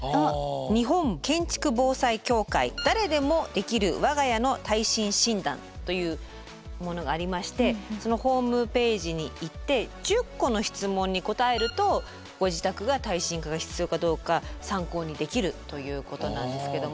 日本建築防災協会「誰でもできるわが家の耐震診断」というものがありましてそのホームページに行って１０個の質問に答えるとご自宅が耐震化が必要かどうか参考にできるということなんですけれども。